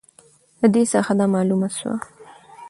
د دې څخه دا معلومه سوه